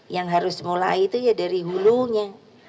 yang harus mulai itu ya dari hulunya